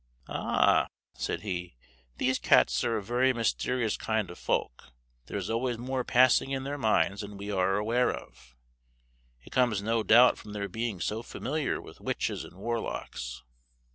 "Ah," said he, "these cats are a very mysterious kind of folk. There is always more passing in their minds than we are aware of. It comes no doubt from their being so familiar with witches and warlocks."